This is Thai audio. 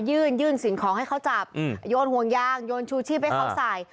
ยื่นสินของให้เขาจับโยนห่วงยางโยนชูชีพไปเข้าใส่